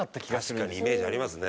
確かにイメージありますね。